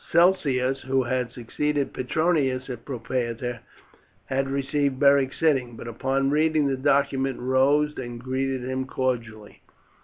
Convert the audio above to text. Celsius, who had succeeded Petronius as propraetor, had received Beric sitting; but upon reading the document rose and greeted him cordially.